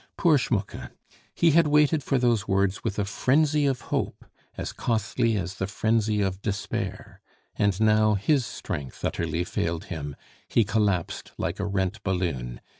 Poor Schmucke! he had waited for those words with a frenzy of hope as costly as the frenzy of despair; and now his strength utterly failed him, he collapsed like a rent balloon.